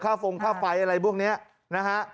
ค่าฟงค่าไฟอะไรพวกเนี่ยนะฮะ